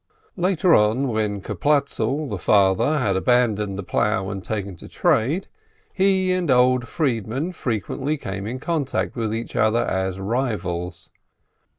Later on, when Klopatzel, the father, had abandoned the plough and taken to trade, he and old Friedman frequently came in contact with each other as rivals.